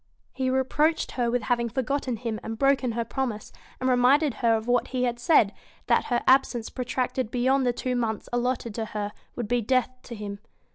He reproached her with having forgotten him and broken her promise, and reminded her of what he had said, that her absence protracted beyond the two months allotted to her would be death to him.